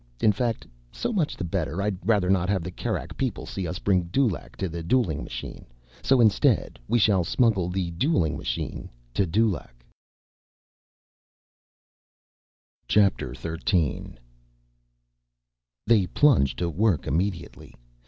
In fact, so much the better. I'd rather not have the Kerak people see us bring Dulaq to the dueling machine. So instead, we shall smuggle the dueling machine to Dulaq!" XIII They plunged to work immediately.